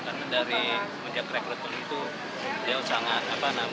karena dari menjak rekrutmen itu jauh sangat